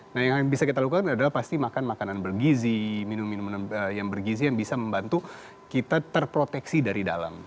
nah yang bisa kita lakukan adalah pasti makan makanan bergizi minum minuman yang bergizi yang bisa membantu kita terproteksi dari dalam